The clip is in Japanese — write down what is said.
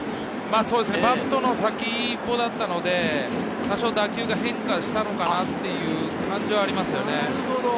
バットの先っぽだったので、多少打球が変化したのかなという感じはあります。